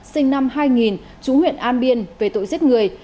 sinh năm hai nghìn chú huyện an biên về tội giết người